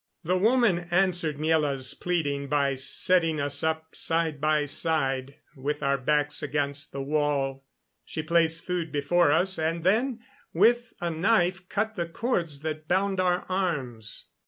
The woman answered Miela's pleading by setting us up side by side, with our backs against the wall. She placed food before us, and then, with a knife, cut the cords that bound our arms.